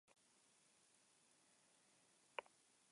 Bestalde, tenperatura maximoek behera egingo dute.